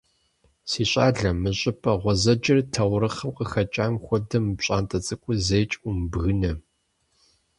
Си щӀалэ, мы щӀыпӀэ гъуэзэджэр, таурыхъым къыхэкӀам хуэдэ мы пщӀантӀэ цӀыкӀур зэикӀ умыбгынэ.